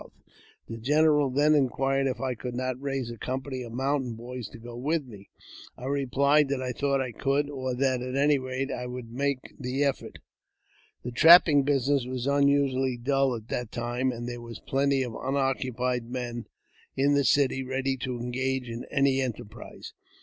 I i ■■r < 336 AUTOBIOGBAPHY OF The general then inquired if I could not raise a company of ; mountain boys to go with me. I replied that I thought I could, or that, at any rate, I would make the effort. The trapping business was unusually dull at that time, and there were plenty of unoccupied men in the city ready tO' engage in any enterprise.